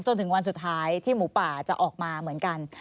จนถึงวันสุดท้ายที่หมูป่าจะออกมาเหมือนกัน